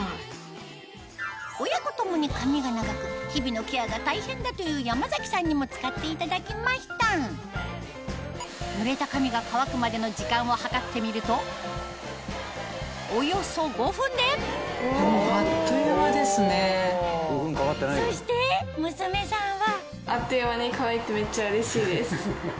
親子共に髪が長く日々のケアが大変だという山崎さんにも使っていただきましたぬれた髪が乾くまでの時間を計ってみるとおよそ５分でそして娘さんは？